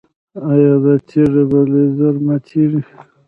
ایا دا تیږه په لیزر ماتیږي؟